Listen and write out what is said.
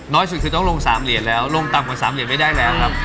สุดคือต้องลง๓เหรียญแล้วลงต่ำกว่า๓เหรียญไม่ได้แล้วครับ